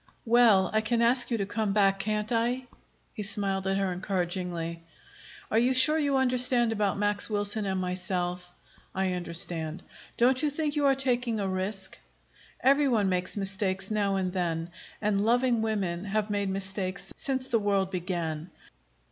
"Well, I can ask you to come back, can't I?" He smiled at her encouragingly. "Are you sure you understand about Max Wilson and myself?" "I understand." "Don't you think you are taking a risk?" "Every one makes mistakes now and then, and loving women have made mistakes since the world began.